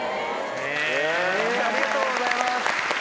ありがとうございます。